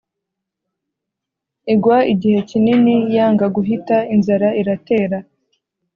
Igwa igihe kinini, yanga guhita, inzara iratera .